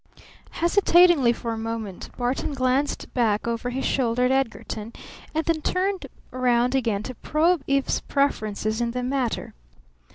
Hesitatingly for a moment Barton glanced back over his shoulder at Edgarton, and then turned round again to probe Eve's preferences in the matter.